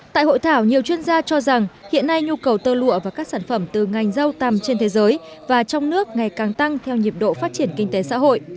tại hội thảo nhiều chuyên gia cho rằng hiện nay nhu cầu tơ lụa và các sản phẩm từ ngành dâu tằm trên thế giới và trong nước ngày càng tăng theo nhịp độ phát triển kinh tế xã hội